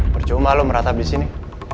perjumlah lu merata disini